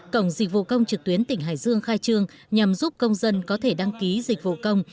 cổng dịch vụ công trực tuyến tỉnh hải dương khai trương nhằm giúp công dân có thể đăng ký dịch vụ công